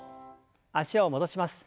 脚を戻します。